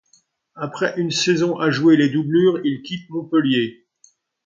Après une saison à jouer les doublures, il quitte Montpellier.